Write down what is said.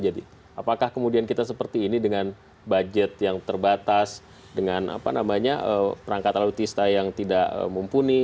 apakah kemudian kita seperti ini dengan budget yang terbatas dengan perangkat alutista yang tidak mumpuni